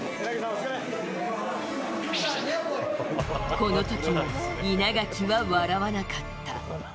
この時も稲垣は笑わなかった。